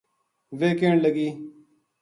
ویہ کہن لگی